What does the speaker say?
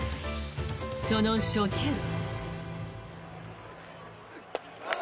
その初球。